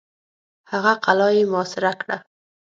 هغه قلا یې محاصره کړه.